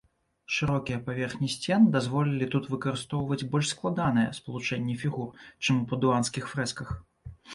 Шырокія паверхні сцен дазволілі тут выкарыстоўваць больш складаныя спалучэнні фігур, чым у падуанскіх фрэсках.